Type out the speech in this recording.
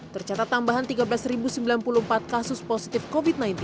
tercatat tambahan tiga belas sembilan puluh empat kasus positif covid sembilan belas